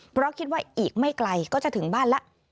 เพราะคิดว่าอีกไม่ไกลก็จะถึงบ้านแล้ว